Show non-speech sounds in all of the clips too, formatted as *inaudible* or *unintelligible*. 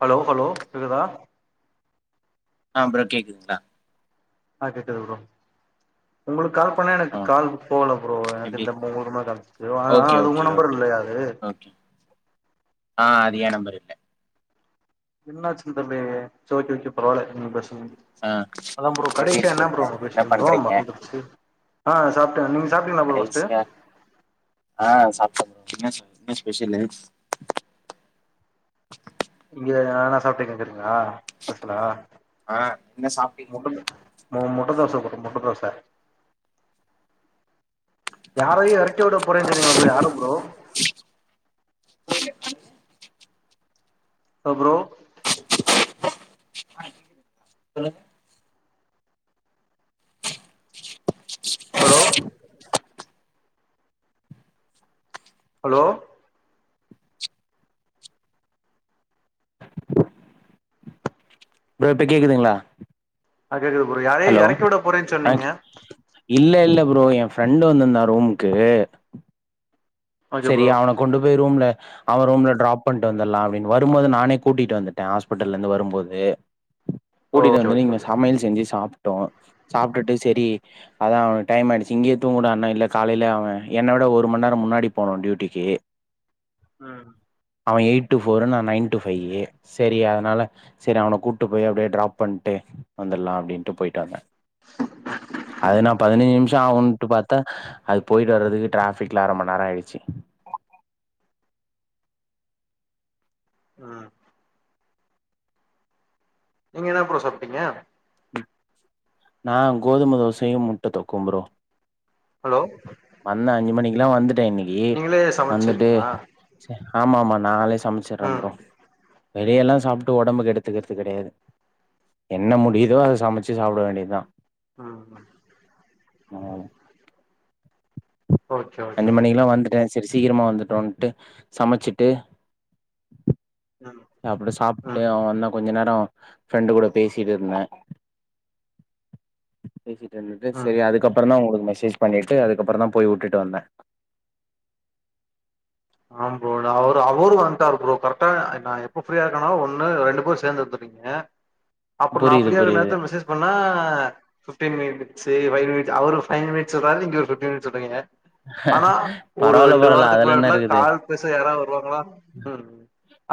Hello hello கேட்குதா அஹ் bro கேட்குதுங்கள ஆஹ் கேக்குதுங்க ப்ரோ உங்களுக் கால் பண்ண எனக்கு ஆ கால் போல ப்ரோ எனக்கு எப்டி இந்த முனு நம்பர் ஓகே அது உங்க ஓகே நம்பர் ஓகே இல்லையா அது ஆஹ் அது ஏன் நம்பர் இல்ல இன்னாச்சு தம்பி சோக்கி ஊச்சி பரவல ஆ *unintelligible* அதான் ப்ரோ எப்டி கடைசியா என்ன இருக்கீங்க ப்ரோ நம்ம என்ன பேசிட்டுருந்தோம் பண்றீங்க மறந்துருச்சு ஆ சாப்பிட்டேன் நீங் கடைசிங் ஆ சாப் என்ன என்ன ஷ்பெஷலு இங்க நா என்ன சாப்ட்ட கேட்டீங்களா ஸ்பெஷலா ஆ என்ன சாப்டீங்க முட்ட மு முட்ட தோச போட்ட முட்ட தோச யாரயோ எறக்கி விட போறேனிங்களே யார ப்ரோ ஹலோ ப்ரோ சொல்லுங் ஹலோ ஹலோ ப்ரோ இப்ப கேக்குதுங்களா ஆ கேக்குது ப்ரோ யாரயோ ஹலோ எறக்கி விட போறேன்னு ஆ சொன்னீங்க இல்ல இல்ல ப்ரோ ஏன் ஃப்ரெண்டு வந்துருந்தான் ரூமுக்கு ஓகே சரி ப்ரோ அவன கொண்டு போயி ரூம்ல அவன் ரூம்ல டிராப் பண்ணிட்டு வந்துரலா அப்டின்னு வரும்போது நானே கூட்டிட்டு வந்துட்டே ஹாஸ்பிடிட்டல்லருந்து வரும்போது கூடிட்டு ஓகே வந்துட்டு ஓகே இங்க ஓகே சமையல் செஞ்சு சாப் டோம் சாப்ட்டுட்டு செரி அதா அவனு டைமாயிடுச்சு இங்கே தூங்குடான்னே இல்ல காலைலே அவன் என்ன விட ஒரு மண் நேரம் முன்னாடி போனு டியூட்டிக்கு ம் அவன் எயிட் டு ஃபோரு நா நைன் டு ஃபையி செரி அனால செரி அவன கூட்டு போயி அப்டியே ட்ராப் பண்ணிட்டு வந்துரலா அப்டின்ட்டு போயிட்டு வந்தேன் அது நா பதினஞ்சு நிமிஷம் ஆவுன்ட்டு பாத்தா அது போயிட்டு வர்றதுக்கு டிராஃபிக்ல அர மண் நேரம் ஆயிடுச்சு ம் நீங்க என்ன ஃப்ரோ சாப்ட்டீங்க நா கோதும தோசையு முட்ட தொக்கும் ப்ரோ ஹலோ வந்தே அஞ்சு மணிக்கெல்லா வந்துட்டு ட்டே இன்னைக்கு நீங்களே வந்துட்டு சமச்சிருங்களா ஆமாமா நாங்களே சமைச்சிரோ ம் ப்ரோ வெளியலாம் சாப்ட்டு ஒடம்ப கெடுத்துக்கறது கெடயாது என்ன முடிதோ அத சமச்சு சாப்ட வேண்டியதுதா ம் ஆ ஓகே ஓகே அஞ்சு மணிக்குலா வந்துட்டே சரி சீக்கிரமா வந்துட்டோன்ட்டு சமச்சுட்டு ம் அப்டே சாப்ட்டு ம் அவே வந்தா கொஞ்ச நேர ஃப்ரெண்டு கூட பேசிட்டு இருந்தே பேசிட்டு இருந்துட்டு ம் செரி அதுக்கப்பறந்தா உங்களுக் மெசேஜ் பண்ணிட்டு அதுக்கப்பற தா போய் வுட்டுட்டு வந்தே ஆ ப்ரோ அவரு அவரு வந்துட்டாரு ஆ ப்ரோ கரெக்டா நா எப்ப ஃப்ரீ ஆனேனோ ஒண்ணு ரெண்டு பேரு சேந்து வந்துறீங்க அப்ற நா புரியுது ஃப்ரீயா இருக்க புரியுது நேரதுல மெசேஜ் பண்ணா ஃபிப்டீன் மினிட் சேரி வெயிட் வெயிட் அவரு ஒரு ஃபைவ் மினிட் சொறா நீங்க ஒரு ஃபிப்டீன் மினிட் சொல்றிங்க பரவால்ல பரவால அதுல என்ன முன்னாடிலா இருக்குது. கால் பேச யாராவது வருவாங்களா ம்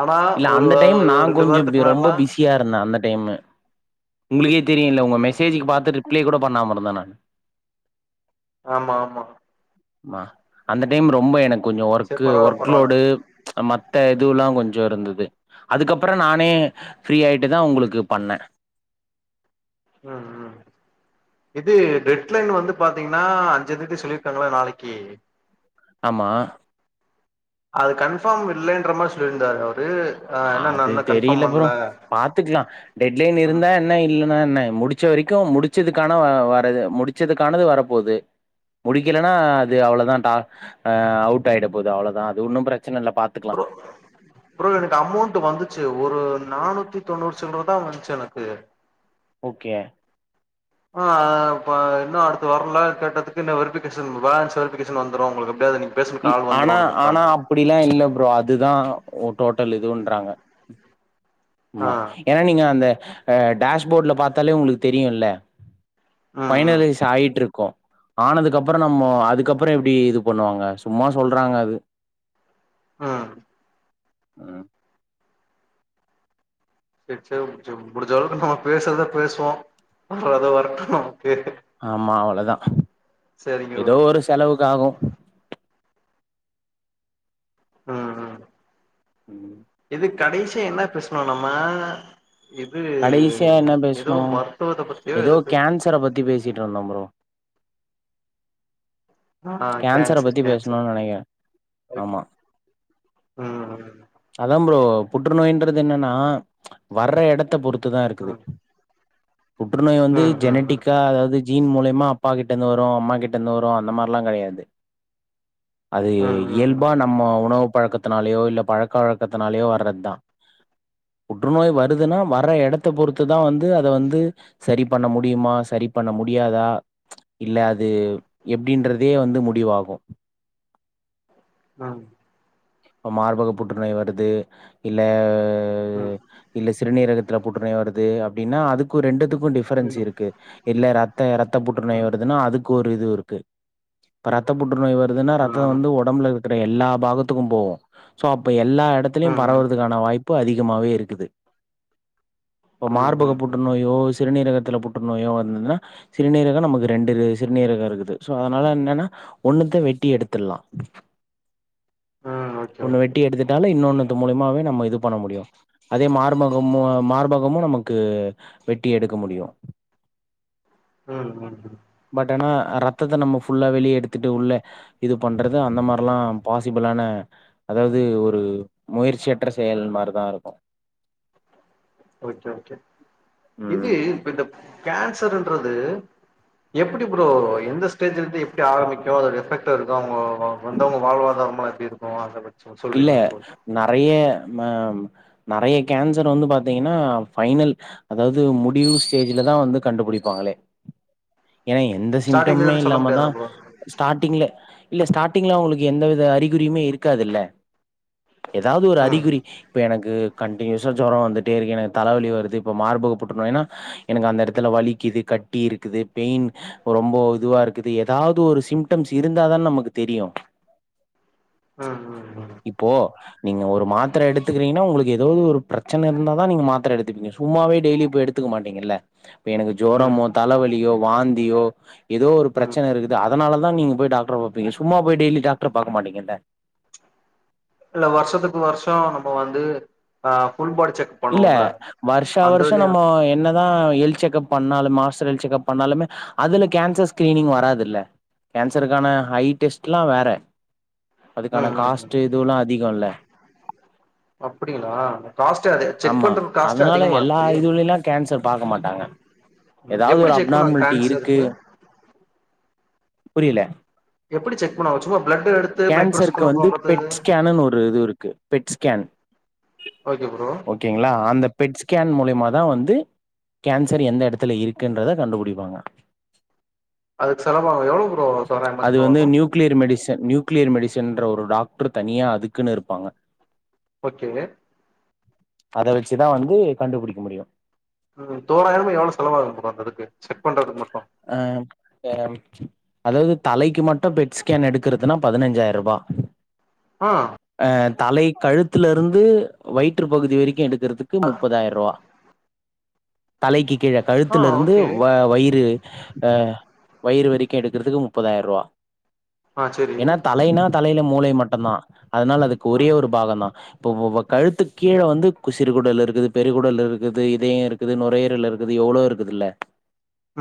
ஆனா இல்ல ஒரு அந்த டைம் நா ரெண்டு கொஞ்சோ வாரத்துக்கு ரொம்ப முன்னாடிலாம் பிஸியா இருந்தே அந்த டைமு உங்களுக்கே தெரியல உங்க மெசேஜுக்கு பாத்து ரிப்ளை கூட பண்ணாமருந்த நான் ஆமா ஆமா அந்த டைம் ரொம்ப எனக் கொஞ்ச சேரி ஒர்க்கு பரவால்ல ஒர்க் பரவால்ல லோடு மத் த இதுல்லாம் கொஞ்ச இருந்தது அதுக்கப்புற நானே ஃப்ரீ ஆயிட்டு தா உங்களுக்கு பண்ணே ஹும் உம் இது டெட்லைன் வந்து பாத்தீங்கன்னா அஞ்சந் தேதி சொல்லிருக்காங்கள நாளைக்கு ஆமா அது கன்ஃபார்ம் இல்லன்ற மாதிரி சொல்லிருந்தாரு அவர் அது தெரியல ப்ரோ பாத்துக்கலா டெட் லைன் ம் இருந்தா என்ன இல்ல னா என்ன முடிச்ச வரைக்கு முடிச்சதுக்கான வ வரது முடிச்சதுக்கானது வரப்போது முடிக்கலனா அது அவ்ளதா டா அவ்ட் ஆயிட போகுது அவ்வளதா அது ஒன்னு ப்ர ப்ரோ ப்ரோ எனக்கு அமௌண்ட் வந்துச்சு ஒரு நானூத்தி தொண்ணூறு சில்ற தா வந்துச்சு எனக்கு ஓக்கே ஆ ப இன்னு அடுத்து வர்ல கேட்டதுக்கு இன்ன வெரிஃபிகேஷன் பேலன்ஸ் வெரிஃபிகேஷன் வந்துரு உங்களுக்கு எப்டியாது பேசுன இ கால் வந்துரு ஆனா ஆனா உனக்குன்றாங்க அப்படிலா இல்ல ப்ரோ அதுதா ஓக் டோட்டல் இதுன்றாங்க ஆ ஆமா ஏன்னா நீங்க அந்த ஹ டேஷ்போட்ல பாத்தாலே உங்களுக்கு தெரியுல்ல ம் ம் ஃபைனலைஸ் ஆயிட்டு இருக் கு ஆனதுக்குப்புற நம்ம அதுக்கப்புற எப்படி இது பண்ணுவாங்க சும்மா சொல்றாங்க அது ஆஹ் அ செரி செரி முடிஞ் முடிஞ்ச அளவுக்கு நம்ம பேசுறத பேசுவோ வர்ரது வர்ட்டும் அப்டியே ஆமா அவ்ளதா சேரிங்க ஏதோ ப்ரோ ஒரு செலவுக்காகும் ம் ஹும் உம் இது கடைசிய என்ன பேசுனோ நம்ம இது கடைசியா என்ன ஏதோ பேசுனொ மருத்துவத்த பத்தியோ ஏதோ பே கேன்சர பத்தி பேசிட்டு இருந்தம் ப்ரோ ஆ கேன்சர கேன்சர் பத்தி கேன்சர் பேசுணோனு நெனக்கிற ஆமா ம் அதாம் ப்ரோ புற்றுநோய்ன்றதென்னன்னா வர்ற எடத்தை பொறு துதா இருக்குது ம் புற்றுநோய் வந்து ம் ம் ம் ஜெனட்டிக்கா அதாவது ஜீன் மூலியமா அப்பா கிட்டந்து வரூ அம்மா கிட்டந்து வரூ அந்த மா ப்புல்லா கடையாது அது ம் ம் இயல்பா நம்மோ உணவு பழக்கத்தினாலேயோ இல்ல பழக்க வழக்கத்தினாலயோ வர்றத் தான் புற்றுநோய் வருதுன்னா வர்ற எடத்த பொறுத்து தான் வந்து அத வந்து சரி பண்ண முடியுமா சரி பண்ண முடியாதா இல்ல அது அப்படின்றதே வந்து முடிவாகும் ஆஹ் மார்பக புற்றுநோய் வருது இல்லே ம் ம் ம் ம் ம் இல்ல சிறுநீரகத் புற்றுநோய் வருது அப்படின்னா அதுக்கு ரெண்டு டிஃபரன்ஸ் இருக்கு இல்ல ரத்த ரத்த புற்றுநோய் வருதுன்னா அதுக்கு ஒரு இது இருக்கு ரத்த புற்று புற்றுநோய் வருதுன்னா ரத்த வந்து உடம்பு இரு எல்லா பாகத்துக்கும் போவோம் சோ அப்ப எல்லா ம் இடத்துலயும் ம் பரவுரதுக்கானா வாய்ப்பு ரொம்ப அதிகமாவே இருக்குது இப்ப மார்பக ம் புற்று நோயோ சிறுநீரக த்துல புற்றுநோயூம் வந்ததுன்னா சிறுநீரகம் நமக்கு ரெண்டு சிறுநீரகம் இருக்குது சோ அதனால என்னன்னா ஒண்ணுத வெட்டி எடுத்துறலாம் ம் ஓகே ஒன்னு ஓகே வெட்டி எடுத்துட்டால இன்னொன்னு மூலியமாவே நம்ம இது பண்ண முடியும் அதே மார்பகமு மார்பகமும் நமக்கு வெட்டி எடுக்க முடியும் ம் ம் ம் அ ரத்தத்த நம்ம ஃபுல்லா வெளிய எடுத்துட்டு உள்ள இது பண்ணுறது அந்த மார்லா பாசிபுளான அதாவது ஒரு முயற்சியற்ற செயல் மாரிதா இருக்கூ ஓகே ஒகே ம் இது இப்ப இந்த கேன்சருன்றது எப்புடி ப்ரோ எந்த ஸ்டேஜ்லந்து எப்புடி ஆரம்புக்கூ அதோட எஃபெக்ட் இருக்கூ அவங்கோ ப்போ வந்தவங்க வாழ்வாதாரமா *unintelligible* இருக்கூ அத பத் இல்ல நறைய நம்ம நறைய கேன்சர் வந்து பாத்தீங்கன்னா ஃபைனல் அதாவது முடிவு ஸ்டேஜ்லதா வந்து கண்டுபுடிப்பாங்களே ஏனா எந்த ஸ்டார்டிங்ல சிம்டம்மே இருந்து சொல்ல இல்லாம தா முடியாதா ப்ரோ ஸ்டார்ட்டிங்ல இல்ல ஸ்டாடிங்லா அங்களுக்கு எந்தவித அறிகுறியுமே இருக்காதுல்ல ஏதாவ்து ஒரு ம் ம் அறிகுறி இப்ப எனக்கு கண் லேசா ஜோரோ வந்துட்டே இருக்கு எனக்கு தலவலி வருது இப்ப மார்பக புற்றுநோய்னா எனக்கு அந்த எடத்துல வலிக்கிது கட்டி இருக்குது பெயின் ஓ ரொம்போ இதுவா இருக்குது எதாவ்து ஒரு சிம்டம்ஸ் இருந்தாதான் நமக்கு தெரியு ஆ ஆ இப்போ நீங்க ஒரு மாத்தர எடுத்துக்குறீங்னா உங்களுக்கு எதோ ஒரு பிரச்சன இருந்தாதா நீங்க மாத்தர எடுத்துப்பீங்க சும்மாவே டெய்லி போய் எடுத்துக்க மாட்டீங்கல்ல இப்ப எனக்கு ம் ஜோரமோ தலவலியோ வாந்தியோ எதோ ஒரு ம் பிரச்சன இருக்குது அத் அதனாலதா நீங்க போய் டாக்ட்ர பாப்பீங்க சும்மா போய் டெய்லி டாக்ட்ர பாக்க மாட்டீங்கல்ல இல்ல வர்ஷத்துக்கு வர்ஷ நம்ம வந்து ஆ ஃபுல் பாடி செக் இல்ல பண்ணுவோம்ல வர்ஷா அந்த வர்ஷ இதுலயு நம்ம என்ன தா ஹெல்த் செக்கப் பண்ணாலும் மாஸ்டரல் செக்கப் பண்ணாலுமே அதுல கேன்சர் ஸ்கிரீனிங் வராதுல்ல கேன்சருக்கான ஹை டெஸ்ட்லா வேற ம் அதுக்கான ம் ம் காஸ்ட்டு இதுவுலா அதிகல்ல அப்டிங்ளா ஆமா அதனால எல்லா இருக்கு இதுவுலைலா கேன்சர் பாக்க மாட் டாங்க ம் எதாவ்து எப்டி ஒரு செக் பண்ணுவாங்க அப்னார்மல்ட்டி இருக்கு கேன்சருக்கு புரியல எப்டி செக் பண்ணுவாங்க சும்மா பிளட் எடுத்து கேன்சருக்கு மைக்ரோஸ்கோப்ல வந்து பாத்து பெட் ஸ்கேனுன் ஒரு இது இருக்கு பெட் ஸ்கேன் ஓகே ப்ரோ ஓகேங்ளா அந்த பெட் ஸ்கேன் மூல்ய மதா வந்து கேன்சர் எந்த எடத்துல இருக்குன்றத கண்டுபுடிப்பாங்க அதுக்கு செலவாகு எவளோ ப்ரோ தோராயமா செலவாகு த நியூ க்ளியர் மெடிசன்ற ஒரு டாக்ட்ரு தனியா அதுக்குன்னு இருப்பாங்க ஓகேங்க அத வச்சுதா வந்து கண்டுபுடிக்க முடியு ம் தோராயம எவளோ செலவாகு ப்ரோ அந்த இதுக்கு செக் பண்றதுக்கு மட்டு அதாவ்து தலைக்கு மட்டு பெட் ஸ்கேன் எடுக்றதுனாப் பதுனஞ்சாயிர்ருவா ஆ தலை கழுத்துல இருந்து வயிற்று பகுதி வரைக்கு எடுக்றதுக்கு முப்பதாயிர்ருவா தலைக்கி கீழ ஆ கழுத்துல இருந்து ஓகே வா வயிறு ஆ வயிறு வரைக்கு எடுக்றதுக்கு முப்பதாயிர்ருவா ஆ செரி தலையில மூளை மட்டுந்தா அதனால அதுக்கு ஆ ஒரே ஒரு பாகோந்தா இப்போ வ வ கழுத்துக்கீழ வந்து குஷ் சிறுகுடல் இருக்குது பெருகுடல் இருக்குது இதயம் இருக்குது நுரையீரல் இருக்குது எவ்வளவோ இருக்குதுல்ல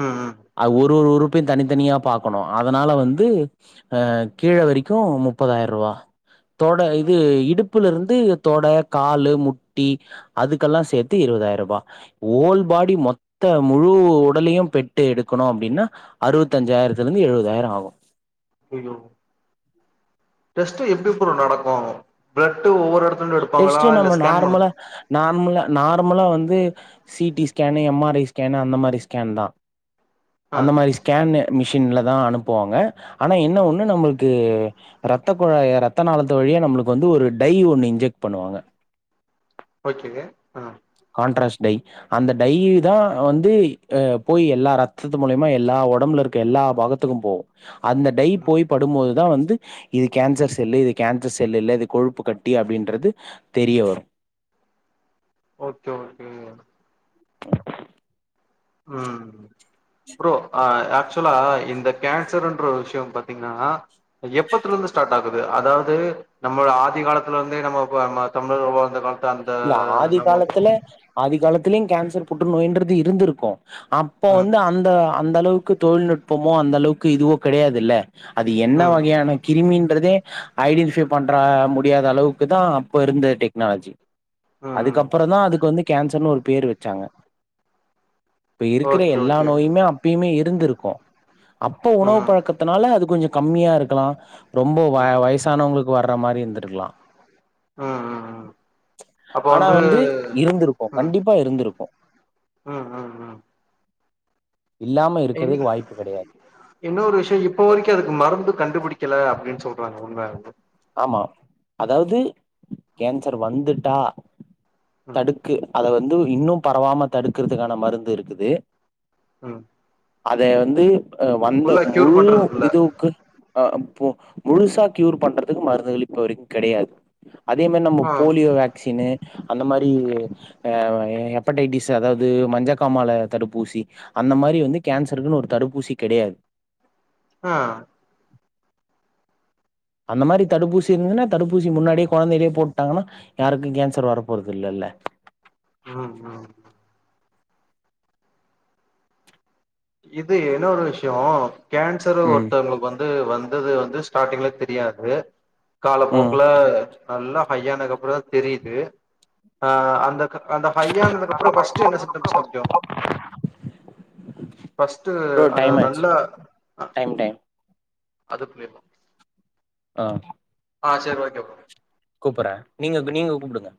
ம் ம் அ ஒரு ஒரு உறுப் தனித்தனியா பாக்கணும் அதனால வந்து அ கீழ வரைக்கும் முப்பதாயிரருவா தொட இது இடுப்புல இருந்து தொட காலு முட்டி அதுக்கெல்லா சேத்து இருவதாயிரருவா ஓல் பாடி மொத்த முழு உடலையும் பெட்டு எடுக்கணும் அப்டின்னா அறுவத்தஞ்சாயிரத்துல இருந்து எழுவதாயிரம் ஆவும் *unintelligible* டெஸ்ட்டு எப்டி புரோ நடக்கும் பிளட்டு ஒவ்வொரு எடத்துல இருந்து எடுப்பாங்களா டெஸ்ட்டு இல்ல நம்ப ஸ்கேன் பண்ண நார்மலா நார்மலா நார்மலா வந்து CD scan M R I scan அந்த மாரி ஸ்கேன் தா ஆ அந்த மாரி ஸ்கேன்னு மிஷின்ல தா அனுப்புவாங்க ஆனா என்ன ம் ஒன்னு நம்ளுக்கு ரத்த குழாய்ய ரத்தநாளத்து வழியா நம்ளுக்கு வந்து ஒரு டை ஒண்ணு இன்ஜெக் பண்ணுவாங்க ஓகே ஆஹ் அன் ட்ரஸ் டை அந்த டை தா வந்து ஆஹ் போய் எல்லா ரத்தத்து மூலியமா எல்லா ஒடம்புல இருக்க எல்லா பாகத்துக்கும் போகும் அந்த டை ம் போய் படும்போது தா வந்து இது கேன்சர் செல்லு இது கேன்சர் செல் இல்ல இது கொழுப்பு கட்டி அப்டின்றது தெரிய வரும் ஓகே ஓகே உம் புரோ ஆஹ் ஆக்சுலா இந்த கேன்சருன்ற விஷயோ பாத்தீங்கன்னா எப்பத்துலந்து ஸ்டார்ட் ஆகுது அதாவ்து நம்ப ஆதி காலத்துலந்தே நம்ப *unintelligible* தமிழர்கள் வாழ்ந்த கால் இல்ல ஆதி காலத்துல ஆதி காலத் துலயு கேன்சர் புற்று நோய்ன்றது இருந்துருக்கூ அப்போ ம் வந்து அந்த அந்த அளவு க்கு தொழில்நுட்பமா அந்த அளவுக்கு இதுவோ கெடையாதுல்ல அது என்ன ம் வகையான கிருமின் குறதே ஐடென்டிஃபை பண்ற முடியாத அளவுக்கு தா அப்ப இருந்த டெக்னாலஜி ம் ம் அதுக்கப்பறோ தா அதுக்கு வந்து கேன்சர்ன்னு ஒரு பேர் வெச்சாங்க இப்ப இருக்குற ஓகே எல்லா ஓகே நோயுமே அப்பேய்யுமே இ இருந்திருக்கூ அப்போ ம் உணவு பழக்கத்துனால அது கொஞ்சோ கம்மியா இருக்கலா ரொம்போ வ ம் ம் வயசானவங்களுக் வர்ற மாரி இருந்திருக்கலா. ஹ்ம் ஹ்ம் ஹ்ம் ஆனா வந்து இருந்திருக்கு. ம் கண்டிப்பா இருந்திருக்கு. ம் ம் ம் இல்லாம இன் இருக்கிறதுக்கு வாய்ப்பு கெடையாது இன்னோரு விஷ்யோ இப்ப வரைக்கு அதுக்கு மருந்து கண்டுபிடிக் க்கல அப்டின்னு சொல்றாங்க உண்மயா ப்ரோ மா அதாவ்து கேன்சர் வந்துட் டா ம் தடுக்கு அதாவ் ந்து இன்னு பரவாம தடுக்கறதுக்கான மருந்து இருக்குது. உஹ்ம் அத வந்து அஹ வந்த முழு பண்றதுக்குள்ள இதுவுக்கு அஹ் போ முழுசா க்யூர் பண்ற துக் மருந்துகள் இப்போ வரைக்கு கெடையாது. அதே மாரி நம்ம ஆ போலியோ வேக்சினு, அந்த மாதிரி ஆஹ் ஹெப்படைட்டிசு அதாவது மஞ்சக்காமால தடுப்பூசி அந்த மாரி வந்து கேன்சர்க்குனு ஒரு தடுப்பூசி கெடையாது. ஆஹ் அந்த மாரி தடுப்பூசி இருந்துனா தடுப்பூசி முன்னாடியே கொழந்தேலயே போட்டாங்கன்னா யாருக்கு கேன்சர் வரப்போறது இல்லல்ல உஹ்ம் உம் இது என்னொரு விஷ்யோ கேன்சரு ம் ஒருத்தங்கள்க்கு வந்து வந் வந்தது வந்து ஸ்டார்ட்டிங்ல தெரியாது. ம் காலப்போக்ல நல்லா ஹய்யானக்கு அப்றோதா தெரிது. ஆஹ அந்த அந்த ஹையானதுக்கப்றோ ஃபர்ஸ்ட் என்ன சிம்டம்ஸ் காமிக்கு ஃபஸ்ட்டு ப்ரோ அத டைம் ஆச்சு நல்லா டைம் டைம் அதுக்குளேவா ஆஹ ஆஹ் செர் ஓகே ப்ரோ கூப்பட்ற நீங்கக் நீங்க கூப்டுங்க.